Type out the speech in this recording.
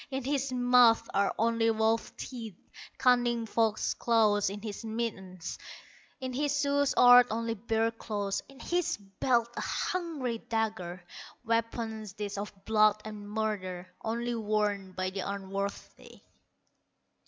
In his mouth are only wolf teeth, Cunning fox claws in his mittens, In his shoes art only bear claws, In his belt a hungry dagger; Weapons these of blood and murder, Only worn by the unworthy."